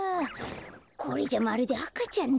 これじゃまるであかちゃんだよ。